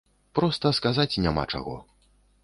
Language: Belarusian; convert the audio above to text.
Проста сказаць няма чаго.